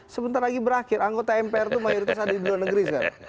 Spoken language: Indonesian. sebentar lagi berakhir anggota mpr itu mayoritas ada di luar negeri sekarang